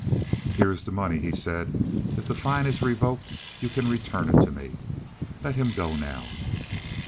"Here is the money," he said. "If the fine is revoked you can return it to me. Let him go now."